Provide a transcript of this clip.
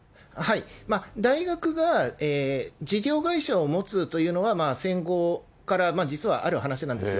大学が事業会社を持つというのは戦後から、実はある話なんですよ。